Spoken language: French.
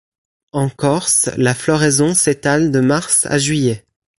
En Corse la floraison s’étale de mars à juillet.